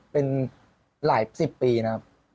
เป็นหลายสิบปีนะครับ